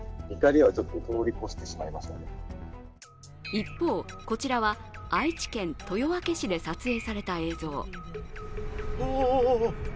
一方、こちらは愛知県豊明市で撮影された映像。